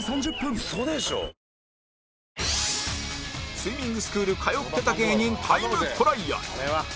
スイミングスクール通ってた芸人タイムトライアル